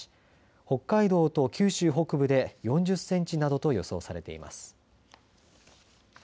北海道と九州北部で４０センチなどと予想されています。